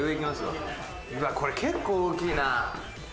うわっこれ結構大きいな。